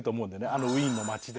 あのウィーンの街で。